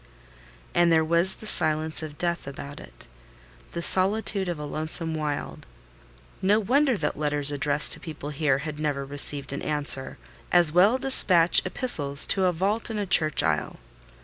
And there was the silence of death about it: the solitude of a lonesome wild. No wonder that letters addressed to people here had never received an answer: as well despatch epistles to a vault in a church aisle.